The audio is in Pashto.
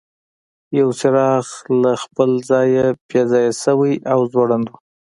یو څراغ له خپل ځایه بې ځایه شوی او ځوړند و.